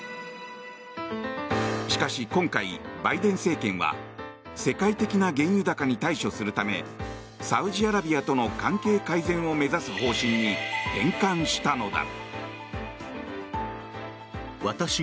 しかし今回、バイデン政権は世界的な原油高に対処するためサウジアラビアとの関係改善を目指す方針に転換したのだ。